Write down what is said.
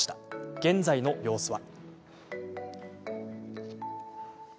現在の様子は。